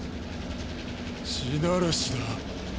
「地鳴らし」だ。